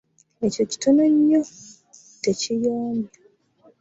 Ekyo kitono nnyo! tekiyombya.